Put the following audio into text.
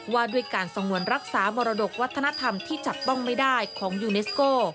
ว่าด้วยการสงวนรักษามรดกวัฒนธรรมที่จับต้องไม่ได้ของยูเนสโก